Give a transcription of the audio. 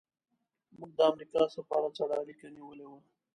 موږ د امریکا سفارت سره اړیکه نیولې وه.